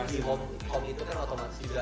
di home itu kan otomatis juga